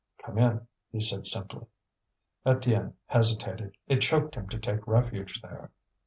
"Come in," he said simply. Étienne hesitated; it choked him to take refuge there.